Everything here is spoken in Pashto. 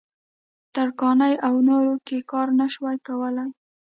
ترکاڼۍ او نورو کې کار نه شوای کولای.